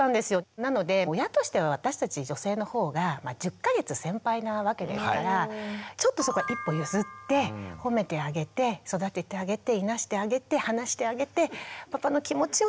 なので親としては私たち女性のほうが１０か月先輩なわけですからちょっとそこは一歩譲って褒めてあげて育ててあげていなしてあげて話してあげてパパの気持ちを育ててあげる。